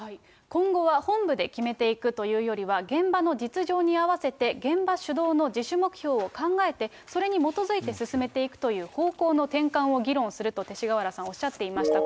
今後は本部で決めていくというよりは、現場の実情に合わせて現場主導の自主目標を考えて、それに基づいて進めていくという方向の転換を議論すると、勅使河原さんおっしゃっていました。